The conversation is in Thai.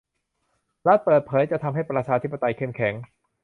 รัฐเปิดเผยจะทำให้ประชาธิปไตยเข้มแข็ง